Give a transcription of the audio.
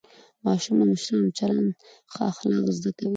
ماشومان د مشرانو له چلنده ښه اخلاق زده کوي